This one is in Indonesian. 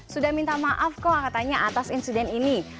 sudah minta maaf kok katanya atas insiden ini